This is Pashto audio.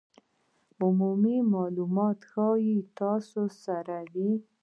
عمومي مالومات ښایي تاسو سره وي